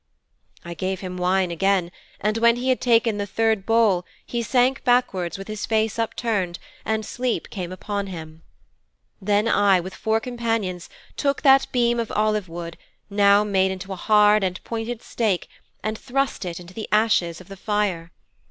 "' 'I gave him wine again, and when he had taken the third bowl he sank backwards with his face upturned, and sleep came upon him. Then I, with four companions, took that beam of olive wood, now made into a hard and pointed stake, and thrust it into the ashes of the fire.